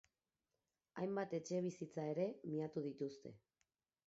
Hainbat etxebizitza ere, miatu dituzte.